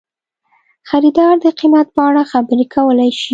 خریدار د قیمت په اړه خبرې کولی شي.